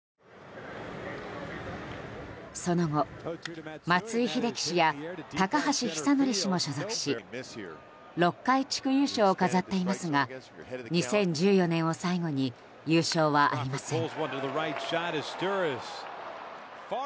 その後、松井秀喜氏や高橋尚成氏も所属し６回、地区優勝を飾っていますが２０１４年を最後に優勝はありません。